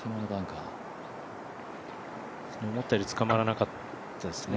思ったより捕まらなかったですね。